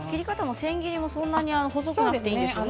千切りもそんなに細くなくていいですよね。